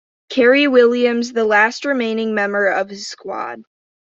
Kerry Williams, the last remaining member of his squad.